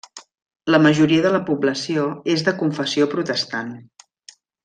La majoria de la població és de confessió protestant.